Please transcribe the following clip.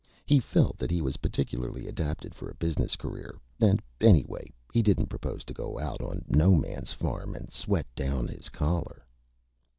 He felt that he was particularly adapted for a Business Career, and, anyway, he didn't propose to go out on No Man's Farm and sweat down his Collar.